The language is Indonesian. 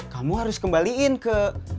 kamu harus kembaliin ke